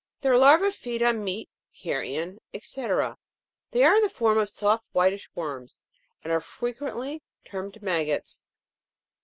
Their larvae feed on meat, carrion, &c. : they are in form of soft whitish worms, and are frequently termed Maggots.